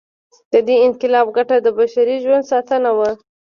د دې انقلاب ګټه د بشري ژوند ساتنه وه.